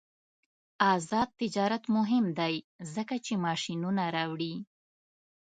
آزاد تجارت مهم دی ځکه چې ماشینونه راوړي.